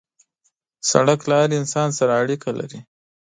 سړک له هر انسان سره اړیکه لري.